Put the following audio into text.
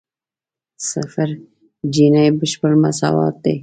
صفر جیني بشپړ مساوات دی.